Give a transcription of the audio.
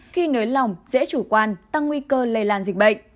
khi nới lỏng dễ chủ quan tăng nguy cơ lây lan dịch bệnh